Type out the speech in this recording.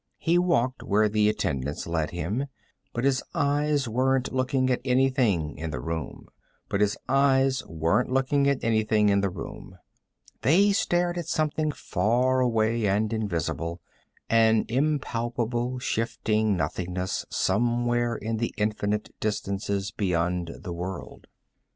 He walked where the attendants led him, but his eyes weren't looking at anything in the room. They stared at something far away and invisible, an impalpable shifting nothingness somewhere in the infinite distances beyond the world.